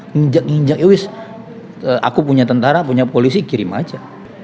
nginjak nginjak ya wis aku punya tentara punya polisi kirim aja